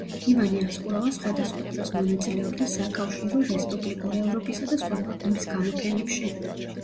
ივანე ასკურავა სხვადასხვა დროს მონაწილეობდა საკავშირო, რესპუბლიკურ, ევროპისა და სხვა ქვეყნების გამოფენებში.